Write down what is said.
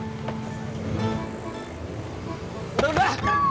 udah udah gue mau pulang beresin beresin